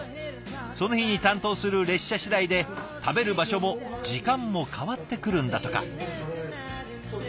その日に担当する列車次第で食べる場所も時間も変わってくるんだとか。